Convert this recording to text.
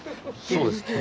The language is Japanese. そうですね。